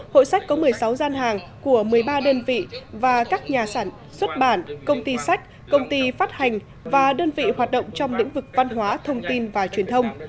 hội sách có một mươi sáu gian hàng của một mươi ba đơn vị và các nhà sản xuất bản công ty sách công ty phát hành và đơn vị hoạt động trong lĩnh vực văn hóa thông tin và truyền thông